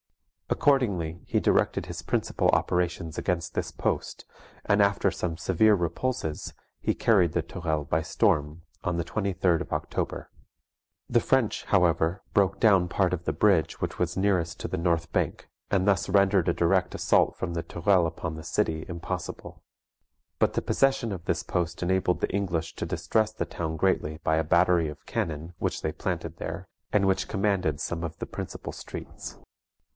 Accordingly he directed his principal operations against this post, and after some severe repulses, he carried the Tourelles by storm, on the 23d of October. The French, however, broke down the part of the bridge which was nearest to the north bank and thus rendered a direct assault from the Tourelles upon the city impossible. But the possession of this post enabled the English to distress the town greatly by a battery of cannon which they planted there, and which commanded some of the principal streets.